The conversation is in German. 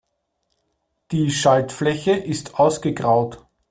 Die Schaltfläche ist ausgegraut.